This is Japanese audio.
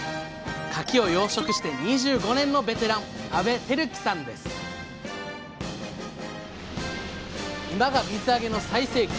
かきを養殖して２５年のベテラン今が水揚げの最盛期。